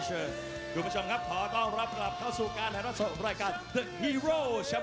เพื่อสร้างทางวิทยาลักษณ์ศักดิ์สองของพระจิตจิม